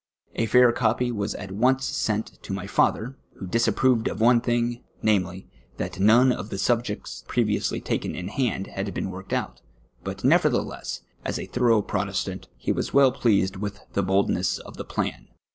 A fair coj^y was at once sent to my father, Avho disapproved of one thing, namely, that none of the subjects previously taken in hand had been worked out, but nevertheless, as a thorough Protestant, he was well pleased with the boldness of the ])lan.